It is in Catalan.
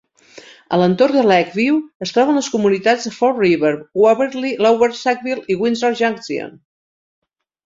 A l'entorn de Lakeview, es troben les comunitats de Fall River, Waverley, Lower Sackville i Windsor Junction.